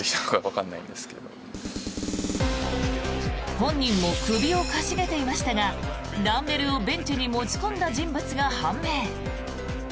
本人も首を傾げていましたがダンベルをベンチに持ち込んだ人物が判明。